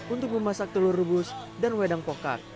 untuk memasak telur rebus dan wedang pokar